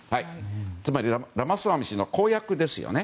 つまりラマスワミ氏の公約です。